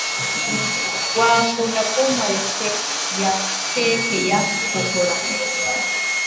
wakunda kumpa resept ya cake ya shokora